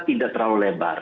tidak terlalu lebar